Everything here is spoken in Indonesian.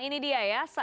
ini dia ya